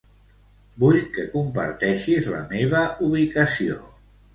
Vull que comparteixis la meva ubicació.